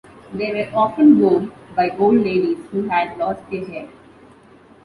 They were often worn by old ladies who had lost their hair.